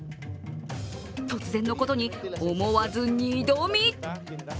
突然のことに、思わず二度見。